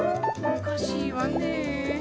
おかしいわねえ。